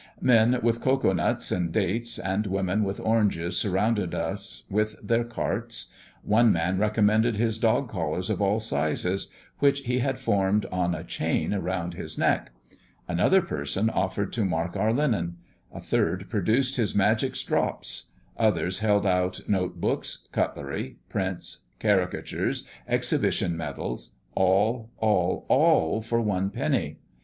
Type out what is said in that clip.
Men with cocoa nuts and dates, and women with oranges surrounded us with their carts. One man recommended his dog collars of all sizes, which he had formed in a chain round his neck; another person offered to mark our linen; a third produced his magic strops; others held out note books, cutlery, prints, caricatures, exhibition medals all all all for one penny.